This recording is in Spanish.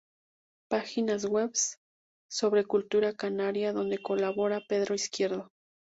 Páginas web´s sobre cultura canaria donde colabora Pedro Izquierdo